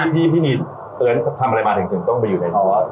พี่พี่นีเตือนทำอะไรมาถึงจนต้องไปอยู่ในคุก